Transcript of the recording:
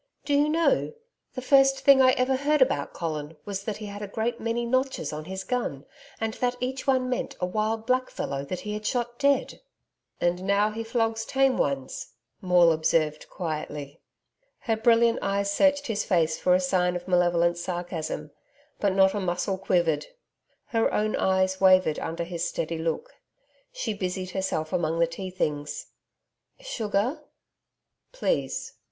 Do you know the first thing I ever heard about Colin was that he had a great many notches on his gun, and that each one meant a wild black fellow that he had shot dead.' 'And now he flogs tame ones,' Maule observed quietly. Her brilliant eyes searched his face for a sign of malevolent sarcasm, but not a muscle quivered. Her own eyes wavered under his steady look. She busied herself among the tea things. 'Sugar?' 'Please.'